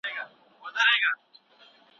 د چينايانو خپل کار او زيار هم ارزښتمن و.